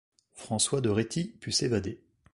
François de Réty put s'évader.